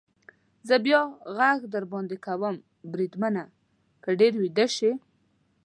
زه بیا غږ در باندې کوم، بریدمنه، که ډېر ویده شې.